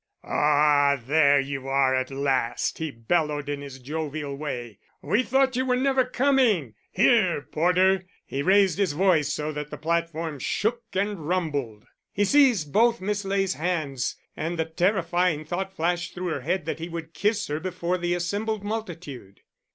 "Ah, here you are at last!" he bellowed, in his jovial way. "We thought you were never coming. Here, porter!" He raised his voice so that the platform shook and rumbled. He seized both Miss Ley's hands, and the terrifying thought flashed through her head that he would kiss her before the assembled multitude.